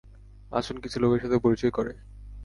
আসুন কিছু লোকের সাথে পরিচয় করাই।